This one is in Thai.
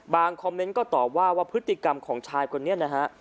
คอมเมนต์ก็ตอบว่าว่าพฤติกรรมของชายคนนี้นะฮะ